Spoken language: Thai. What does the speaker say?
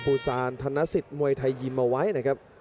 พยายามจะไถ่หน้านี่ครับการต้องเตือนเลยครับ